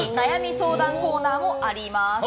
相談コーナーもあります。